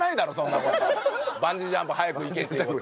バンジージャンプ早く行けっていう事。